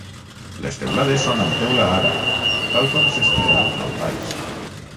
Les teulades són amb teula àrab, tal com s'estila al Baix.